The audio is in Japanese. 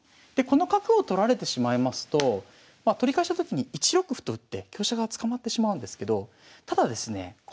でこの角を取られてしまいますと取り返したときに１六歩と打って香車が捕まってしまうんですけどただですねえ